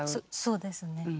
そうですね。